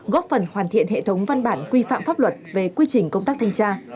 góp phần hoàn thiện hệ thống văn bản quy phạm pháp luật về quy trình công tác thanh tra